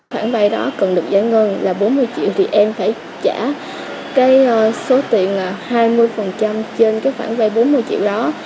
khoản vay đó cần được giải ngân là bốn mươi triệu thì em phải trả cái số tiền hai mươi trên cái khoản vay bốn mươi triệu đó